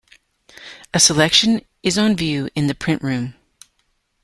A selection is on view in the print room.